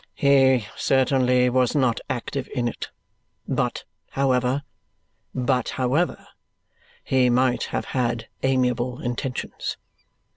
"He certainly was not active in it. But however, but however, he might have had amiable intentions.